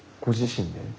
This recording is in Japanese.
ご自身で？